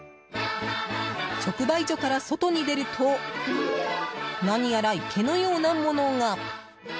直売所から外に出ると何やら池のようなものが。